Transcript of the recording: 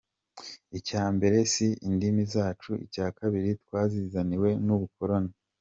Icya mbere si indimi zacu, icyakabiri twazizaniwe n'ubukoloni.